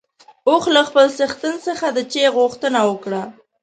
اوښ له خپل څښتن څخه د چای غوښتنه وکړه.